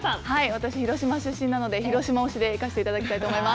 私、広島出身なので、広島推しで行かせていただきたいと思いま